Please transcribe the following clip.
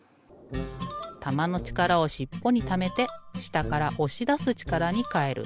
たまのちからをしっぽにためてしたからおしだすちからにかえる。